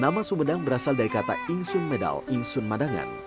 nama sumedang berasal dari kata ingsun medal ingsun madangan